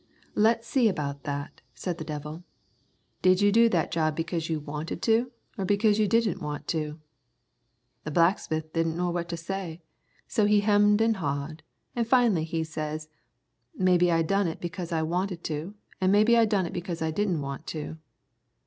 'Let's see about that,' said the devil; 'did you do that job because you wanted to, or because you didn't want to?' The blacksmith didn't know what to say, so he hemmed and hawed, an' finally he says, 'Maybe I done it because I wanted to, an' maybe I done it because I didn't want to.'